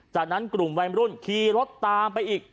จากนั้นกลุ่มวัยรุ่นขี่รถตามไปอีก